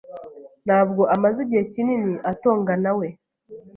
ntabwo amaze igihe kinini atonganawe.